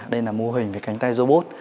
đây là mô hình về cánh tay robot